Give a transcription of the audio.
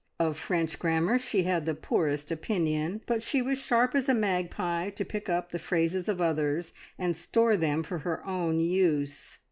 Of French grammar she had the poorest opinion, but she was sharp as a magpie to pick up the phrases of others and store them for her own use.